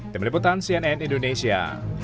demi liputan cnn indonesia